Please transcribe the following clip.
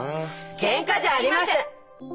ケンカじゃありません！